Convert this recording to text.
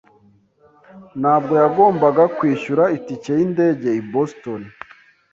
Ntabwo nagombaga kwishyura itike yindege i Boston.